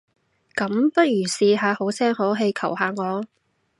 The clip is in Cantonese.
噉，不如試下好聲好氣求下我？